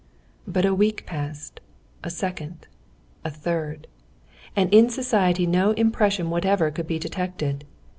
But a week passed, a second, a third, and in society no impression whatever could be detected.